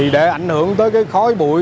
để ảnh hưởng tới khối bụi